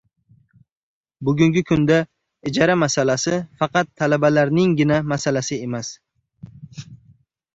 Bugungi kunda ijara masalasi faqat talabalarninggina masalasi emas.